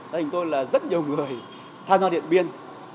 gia đình tôi là rất nhiều người tham gia điện biên